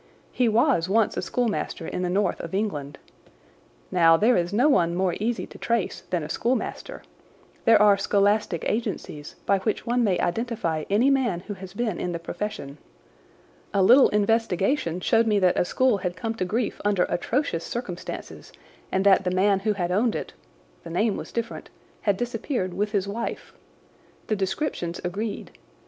He was once a schoolmaster in the north of England. Now, there is no one more easy to trace than a schoolmaster. There are scholastic agencies by which one may identify any man who has been in the profession. A little investigation showed me that a school had come to grief under atrocious circumstances, and that the man who had owned it—the name was different—had disappeared with his wife. The descriptions agreed.